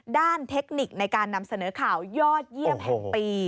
เทคนิคในการนำเสนอข่าวยอดเยี่ยมแห่งปี